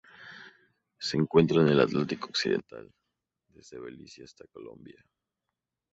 Se encuentra en el Atlántico occidental: desde Belice hasta Colombia.